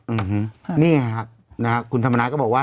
อื้อฮือนี่ค่ะคุณธรรมนาก็บอกว่า